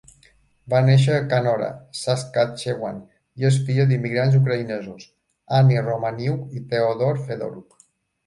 Va néixer a Canora, Saskatchewan, i és filla d'immigrants ucraïnesos, Annie Romaniuk i Theodore Fedoruk.